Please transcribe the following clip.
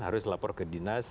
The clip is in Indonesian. harus lapor ke dinas